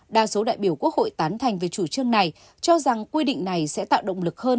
đa số đại biểu quốc hội tán thành về chủ trương này cho rằng quy định này sẽ tạo động lực hơn